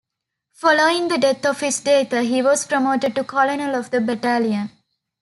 Following the death of his dather, he was promoted to colonel of the battalion.